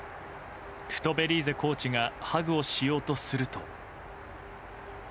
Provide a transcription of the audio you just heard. トゥトベリーゼコーチがハグをしようとすると。